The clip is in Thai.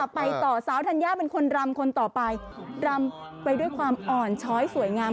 ไปต่อสาวธัญญาเป็นคนรำคนต่อไปรำไปด้วยความอ่อนช้อยสวยงาม